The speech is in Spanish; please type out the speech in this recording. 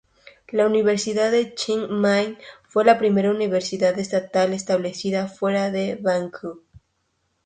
La Universidad de Chiang Mai fue la primera universidad estatal establecida fuera de Bangkok.